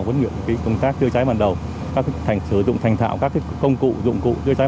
với những công tác chữa cháy bằng đầu sử dụng thành thảo các công cụ dụng cụ chữa cháy